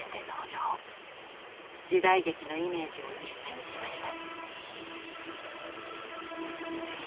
時代劇のイメージを一新しました。